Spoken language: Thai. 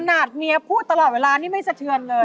ถนาดเมียพูดตลอดเวลานี้ไม่เศรษฐือนเลย